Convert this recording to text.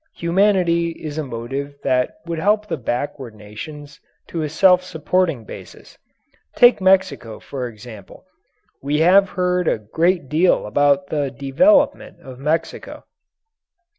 Humanity is a motive that would help the backward nations to a self supporting basis. Take Mexico, for example. We have heard a great deal about the "development" of Mexico.